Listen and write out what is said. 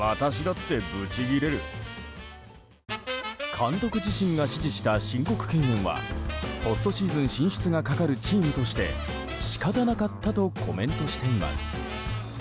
監督自身が指示した申告敬遠はポストシーズン進出がかかるチームとして仕方なかったとコメントしています。